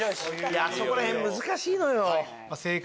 あそこら辺難しいのよ。